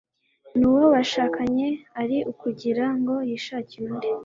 n'uwo bashakanye ari ukugira ngo yishakire undi